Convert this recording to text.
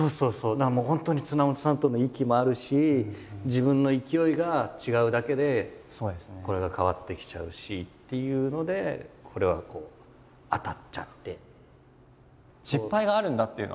だからもう本当に綱元さんとの息もあるし自分の勢いが違うだけでこれが変わってきちゃうしっていうのでこれはこう当たっちゃって。